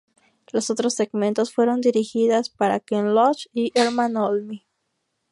Los otros segmentos fueron dirigidas por Ken Loach y Ermanno Olmi.